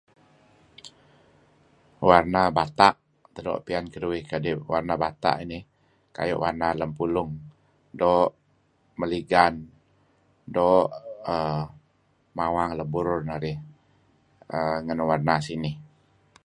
Warna bata' teh doo' piyan keduih kadi' warna bata' nih kuayu' warna lem pulung doo' meligan doo'[err] mawang lem burur narih err ngan warna sinih.